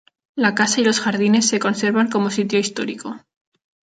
La casa y los jardines se conservan como sitio histórico.